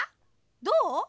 どう？